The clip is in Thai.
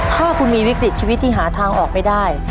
ถ้าคุณมีวิกฤตชีวิตที่หาทางออกไม่ได้